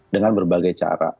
dengan berbagai cara